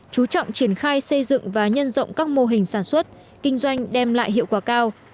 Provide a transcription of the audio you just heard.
chú trọng triển khai xây dựng và nhân rộng các mô hình sản xuất kinh doanh đem lại hiệu quả cao